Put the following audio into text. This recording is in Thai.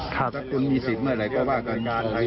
ถ้าคุณมีสิทธิ์ไม่อะไรก็ว่ากัน